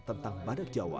tentang badak jawa